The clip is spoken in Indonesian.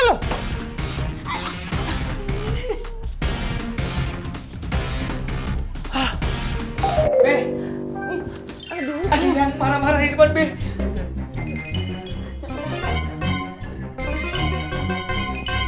gila yang parah parah di depan b